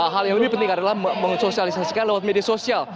hal yang lebih penting adalah mensosialisasikan lewat media sosial